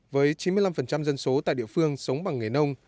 với chín mươi năm dân số tại địa phương sống bằng nghề nông